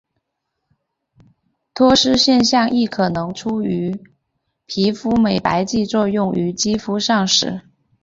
脱失现象亦可能出现于皮肤美白剂作用于肌肤上时。